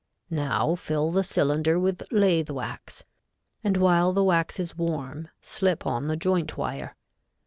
Now fill the cylinder with lathe wax, and while the wax is warm, slip on the joint wire.